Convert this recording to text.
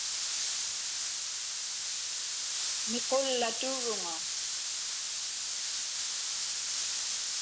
Miqullaturuŋa.